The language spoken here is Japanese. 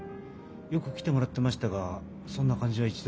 よく来てもらってましたがそんな感じは一度も。